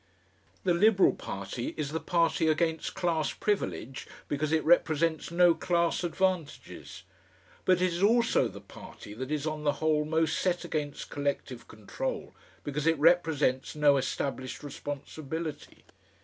The Liberal Party is the party against "class privilege" because it represents no class advantages, but it is also the party that is on the whole most set against Collective control because it represents no established responsibility.